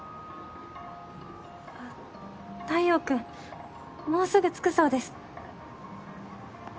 あっ太陽君もうすぐ着くそうです。